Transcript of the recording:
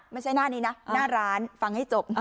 ไม่ใช่หน้านี้นะหน้าร้านฟังให้จบ